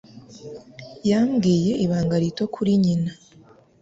Yambwiye ibanga rito kuri nyina.